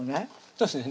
そうですね